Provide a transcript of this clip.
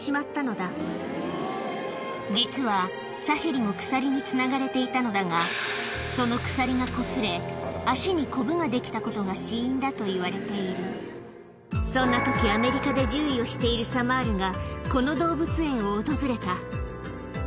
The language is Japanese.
実はサヘリも鎖につながれていたのだがその鎖がこすれ足にコブができたことが死因だといわれているそんな時アメリカで獣医をしているあれはゾウが。